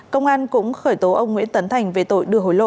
công an cũng khởi tố ông nguyễn tấn thành về tội đưa hối lộ